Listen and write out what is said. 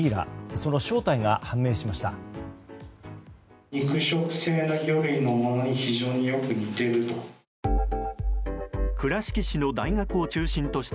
その正体が判明しました。